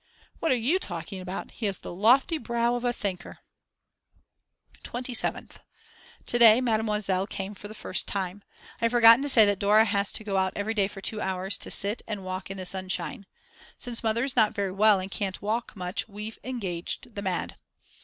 What are you talking about, he has the lofty brow of a thinker." 27th. To day Mademoiselle came for the first time. I have forgotten to say that Dora has to go out every day for two hours to sit and walk in the sunshine. Since Mother is not very well and can't walk much, we've engaged the Mad.